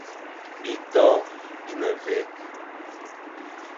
Bitô bi ne mvè,